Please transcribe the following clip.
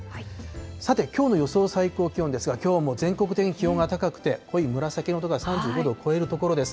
さて、きょうの予想最高気温ですが、きょうも全国的に気温が高くて、濃い紫色の所が３５度を超える所です。